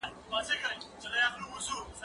مېوې د مور له خوا وچول کيږي؟